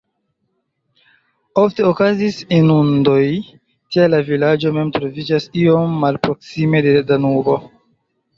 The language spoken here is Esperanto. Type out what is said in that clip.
Ofte okazis inundoj, tial la vilaĝo mem troviĝas iom malproksime de Danubo.